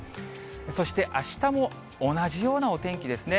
そしてあしたも同じようなお天気ですね。